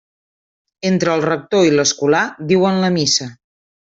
Entre el rector i l'escolà diuen la missa.